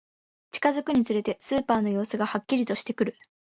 近づくにつれて、スーパーの様子がはっきりとしてくる